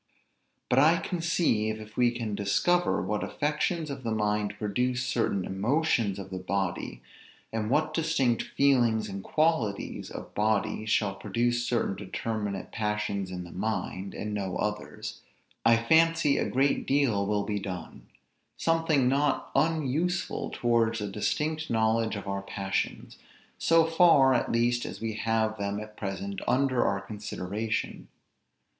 But I conceive, if we can discover what affections of the mind produce certain emotions of the body; and what distinct feelings and qualities of body shall produce certain determinate passions in the mind, and no others, I fancy a great deal will be done; something not unuseful towards a distinct knowledge of our passions, so far at least as we have them at present under our consideration.